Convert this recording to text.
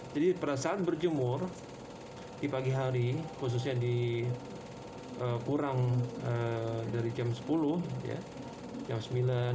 pada saat berjemur di pagi hari khususnya di kurang dari jam sepuluh jam sembilan